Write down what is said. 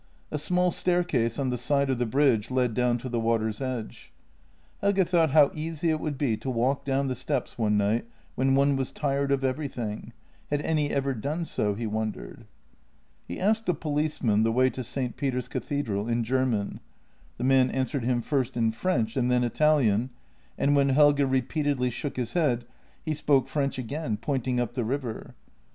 A small staircase on the side of the bridge led down to the water's edge. Helge thought how easy it would be to walk down the steps one night, when one was tired of everything — had any ever done so? he wondered. He asked a policeman the way to St. Peter's cathedral in German; the man answered him first in French and then Italian, and when Helge repeatedly shook his head, he spoke French again, pointing up the river.